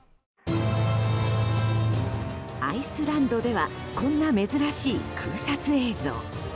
アイスランドではこんな珍しい空撮映像。